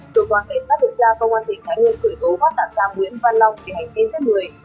tổ quán cảnh sát điều tra công an tỉnh thái nguyên khởi cố bắt tạm giam nguyễn văn long khi hành vi giết người